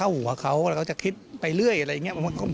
หัวเขาแล้วเขาจะคิดไปเรื่อยอะไรอย่างนี้